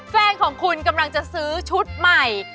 แฟนของคุณกำลังจะซื้อชุดใหม่